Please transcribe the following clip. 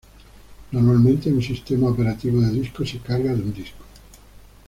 Normalmente, un sistema operativo de disco se carga de un disco.